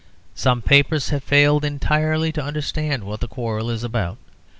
Some papers have failed entirely to understand what the quarrel is about.